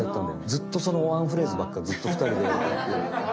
ずっとそのワンフレーズばっかずっとふたりでやってて。